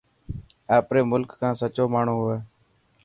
آپري ملڪ کان سچو ماڻهو هي.